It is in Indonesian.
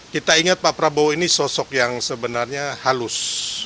kita ingat pak prabowo ini sosok yang sebenarnya halus